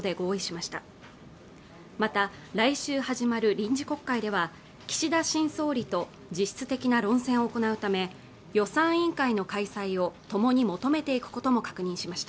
また来週始まる臨時国会では岸田新総理と実質的な論戦を行うため予算委員会の開催を共に求めていくことも確認しました